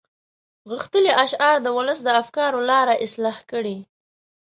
غښتلي اشعار د ولس د افکارو لاره اصلاح کړي.